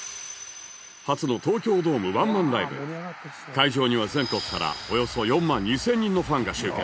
会場には全国からおよそ４万２０００人のファンが集結